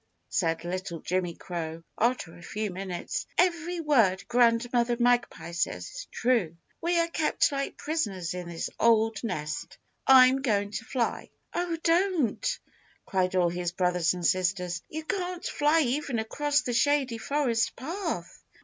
said little Jimmy Crow after a few minutes. "Every word Grandmother Magpie says is true. We are kept like prisoners in this old nest. I'm going to fly!" "Oh, don't!" cried all his brothers and sisters. "You can't fly even across the Shady Forest Path."